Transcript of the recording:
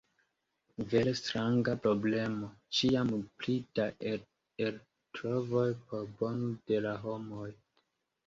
Vere stranga problemo: ĉiam pli da eltrovoj por bono de la homoj.